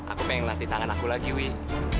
aku pengen ngelatih tangan aku lagi wih